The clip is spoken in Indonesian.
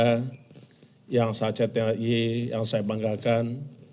di dalam masa cti yang saya banggakan